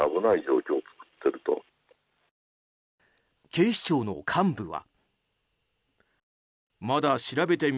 警視庁の幹部は。